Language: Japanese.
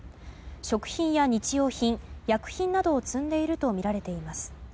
食品や日用品、薬品などを積んでいるとみられています。